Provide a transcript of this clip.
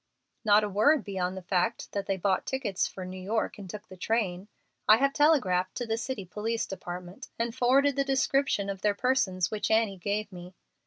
"Not a word beyond the fact that they bought tickets for New York and took the train. I have telegraphed to the City Police Department, and forwarded the description of their persons which Annie gave me.